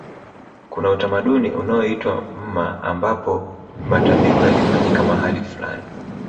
Kuna utamaduni unaoitwa mma ambapo matambiko yalifanyika mahali fulani